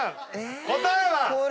答えは？